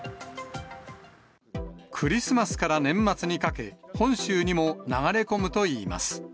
クリスマスから年末にかけ、本州にも流れ込むといいます。